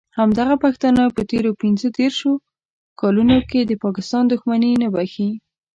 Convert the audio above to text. همدغه پښتانه په تېرو پینځه دیرشو کالونو کې د پاکستان دښمني نه بښي.